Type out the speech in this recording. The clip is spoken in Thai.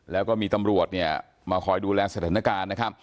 แล้วก็มีตำรวจมาคอยดูแลสถานการณ์